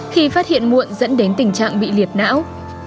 khi phát hiện muộn dẫn đến tình trạng bị liệt não